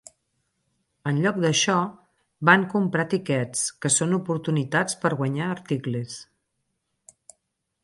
En lloc d'això, van comprar tiquets, que són oportunitats per guanyar articles.